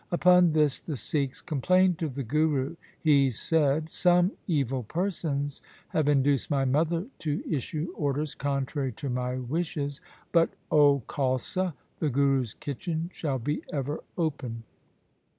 Upon this the Sikhs complained to the Guru. He said, ' Some evil persons have induced my mother to issue orders contrary to my wishes, but, O Khalsa, the Guru's kitchen shall be ever open.